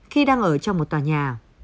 khi đang ở trong một tòa nhà